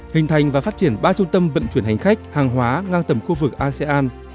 hình thành và phát triển ba trung tâm vận chuyển hành khách hàng hóa ngang tầm khu vực asean